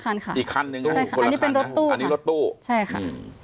คนละคันค่ะอันนี้เป็นรถตู้ค่ะใช่ค่ะ